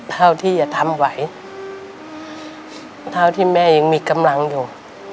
เท่าที่จะทำไหวเท่าที่แม่ยังมีกำลังอยู่